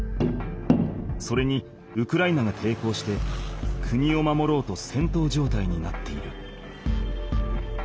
それにウクライナがていこうして国を守ろうとせんとう状態になっている。